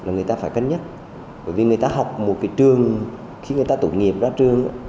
người ta phải cân nhắc bởi vì người ta học một cái trường khi người ta tổng nghiệp ra trường